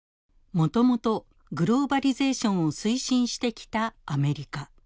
もともとグローバリゼーションを推進してきたアメリカ。